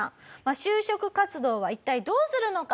就職活動は一体どうするのか？